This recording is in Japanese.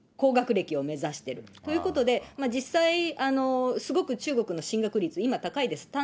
今問題なのは、みんなが高学歴を目指してるということで、実際、すごく中国の進学率、今、高いです。